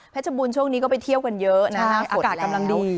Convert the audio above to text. บูรณช่วงนี้ก็ไปเที่ยวกันเยอะนะฮะอากาศกำลังดี